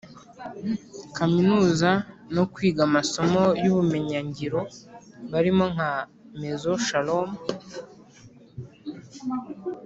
kaminuza no kwiga amasomo y ubumenyingiro barimo nka Maison Shalom